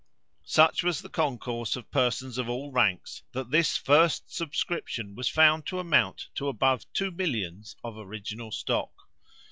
Such was the concourse of persons of all ranks, that this first subscription was found to amount to above two millions of original stock.